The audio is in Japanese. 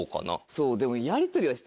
そうでも。